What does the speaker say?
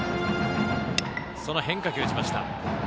その変化球を打ちました。